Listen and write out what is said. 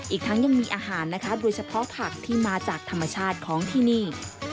อีกทั้งยังมีอาหารนะคะโดยเฉพาะผักที่มาจากธรรมชาติของที่นี่